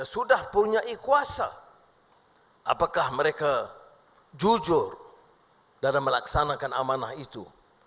sudah punya kuasa apakah mereka jujur dalam melaksanakan amanah itu